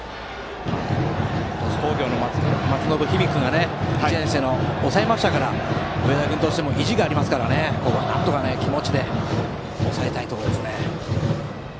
鳥栖工業の１年生、松延響君が抑えましたから上田君としても意地がありますからここは気持ちで抑えたいところですね。